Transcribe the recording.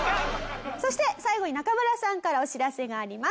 そして最後に中村さんからお知らせがあります。